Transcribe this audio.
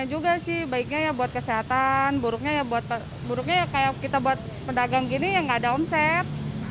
ada baiknya juga sih baiknya buat kesehatan buruknya ya buat pedagang gini yang nggak ada omset